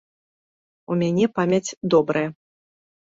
У мяне памяць добрая.